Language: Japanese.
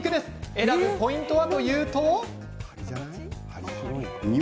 選ぶポイントはというと。